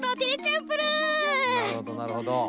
なるほどなるほど。